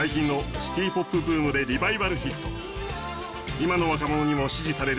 最近の今の若者にも支持される